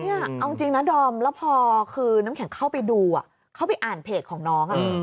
เอาจริงนะดอมแล้วพอคือน้ำแข็งเข้าไปดูเข้าไปอ่านเพจของน้อง